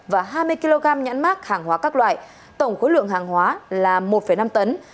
và hai mươi kg nhãn mát hàng hóa các loại tổng khối lượng hàng hóa là một năm tấn